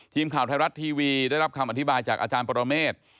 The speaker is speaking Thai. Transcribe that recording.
ทีมข่าวไทยรัฐทีวีได้รับคำอธิบายจากอาจารย์ปรเมฆ